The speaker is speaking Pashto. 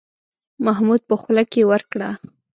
محمود په خوله کې ورکړه.